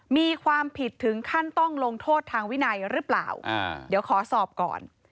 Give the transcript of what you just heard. มีความผิดถึงขั้นต้องลงโทษทางวินัยหรือเปล่าเดี๋ยวขอสอบก่อน